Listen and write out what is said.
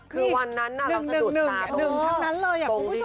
คือวันนั้นเราสะดุดตาตรง๑๑๑ทั้งนั้นเลยคุณผู้ชม